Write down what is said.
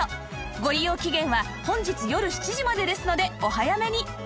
ご利用期限は本日よる７時までですのでお早めに